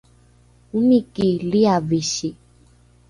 omiki liavisi